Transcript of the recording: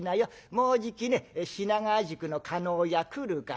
もうじきね品川宿の叶屋来るからね。